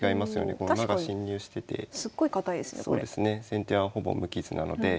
先手はほぼ無傷なので。